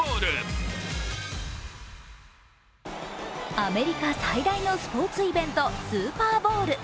アメリカ最大のスポーツイベント、スーパーボウル。